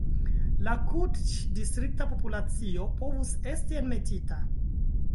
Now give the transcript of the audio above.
La kutĉ-distrikta populacio povus esti enmetita.